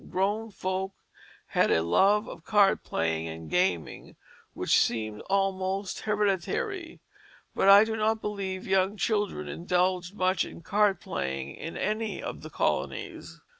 Grown folk had a love of card playing and gaming which seemed almost hereditary. But I do not believe young children indulged much in card playing in any of the colonies.